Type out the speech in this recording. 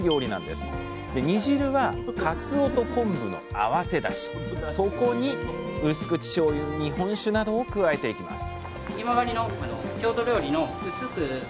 で煮汁はかつおと昆布の合わせだしそこにうす口しょうゆ日本酒などを加えていきます